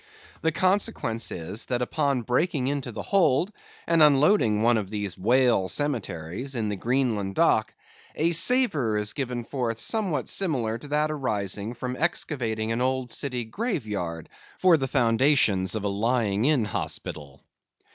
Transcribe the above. The consequence is, that upon breaking into the hold, and unloading one of these whale cemeteries, in the Greenland dock, a savor is given forth somewhat similar to that arising from excavating an old city grave yard, for the foundations of a Lying in Hospital.